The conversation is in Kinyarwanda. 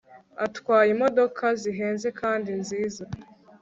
atwaye imodoka zihenze kandi nziza